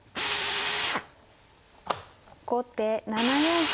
後手７四歩。